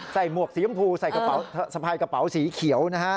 ใส่หมวกสีชมพูใส่สะพายกระเป๋าสีเขียวนะฮะ